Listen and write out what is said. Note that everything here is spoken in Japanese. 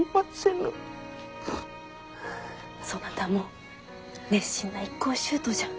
そなたも熱心な一向宗徒じゃ。